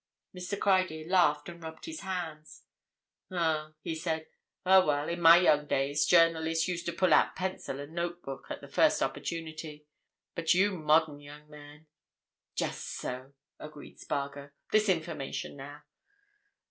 Mr. Criedir laughed and rubbed his hands. "Oh!" he said. "Ah, well, in my young days journalists used to pull out pencil and notebook at the first opportunity. But you modern young men—" "Just so," agreed Spargo. "This information, now?"